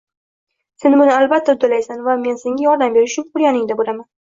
sen buni albatta uddalaysan va men senga yordam berish uchun yoningda bo‘laman.